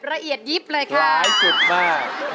ไหล่จุดมาก